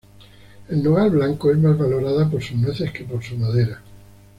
El nogal blanco es más valorada por sus nueces que por su madera.